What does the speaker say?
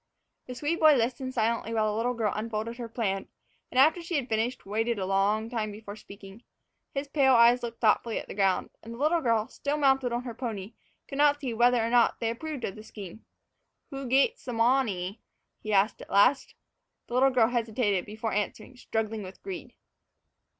The Swede boy listened silently while the little girl unfolded her plan, and, after she had finished, waited a long time before speaking. His pale eyes looked thoughtfully at the ground, and the little girl, still mounted on her pony, could not see whether or not they approved of the scheme. "Who gates th' mownay?" he asked at last. The little girl hesitated before answering, struggling with greed.